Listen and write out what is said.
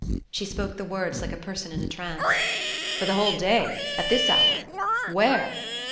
She spoke the words like a person in a trance. "For the whole day? At this hour? Where?"